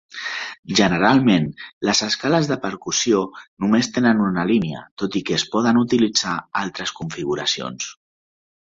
Generalment, les escales de percussió només tenen una línia, tot i que es poden utilitzar altres configuracions.